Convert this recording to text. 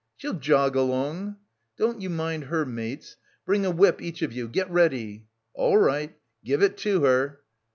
"She'll jog along!" "Don't you mind her, mates, bring a whip each of you, get ready!" "All right! Give it to her!"